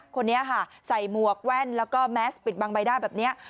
คนนี้ค่ะใส่หมวกแว่นแล้วก็แมสปิดบางใบหน้าแบบนี้